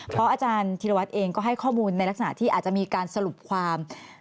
เพราะอาจารย์ธิรวัตรเองก็ให้ข้อมูลในลักษณะที่อาจจะมีการสรุปความ